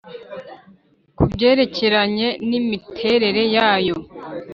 ku byerekeranye n imiterere yayo